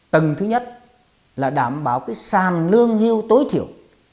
tầng thứ nhất là đảm bảo cái sàn lương hiu tối thiểu